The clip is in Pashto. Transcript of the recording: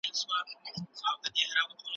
لوستې میندې د ماشومانو د خوړو کیفیت ښه کوي.